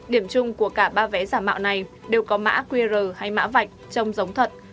điểm chung của cả ba vé giả mạo này đều có mã qr hay mã vạch trông giống thật